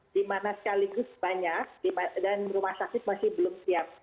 di mana sekaligus banyak dan rumah sakit masih belum siap